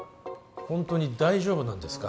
ホントに大丈夫なんですか？